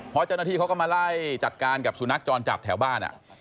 พอย์จนทีเค้าก็มาไล่จัดการกับสุนัขจรจับแถวบ้านอะ